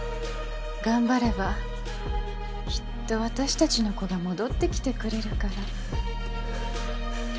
頑張ればきっと私たちの子が戻ってきてくれるから。